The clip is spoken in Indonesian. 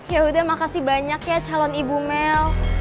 yaudah makasih banyak ya calon ibu mel